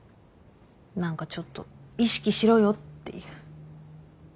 何かちょっと意識しろよっていう。